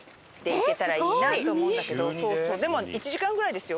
でも１時間ぐらいですよ。